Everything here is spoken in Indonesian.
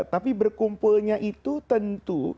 tapi berkumpulnya itu tentu